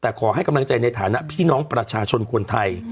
แต่ขอให้กำลังใจในฐานะพี่น้องประชาชนคนไทย